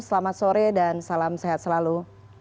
selamat sore dan salam sehat selalu